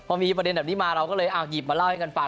พอมีประเด็นแบบนี้มาเราก็เลยเอาหยิบมาเล่าให้กันฟัง